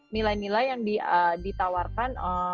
nilai nilai yang ditawarkan